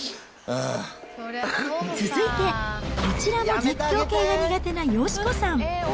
続いて、こちらも絶叫系が苦手な佳子さん。